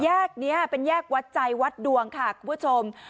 แยกนี้เป็นแยกวัดใจวัดดวงค่ะคุณผู้ชม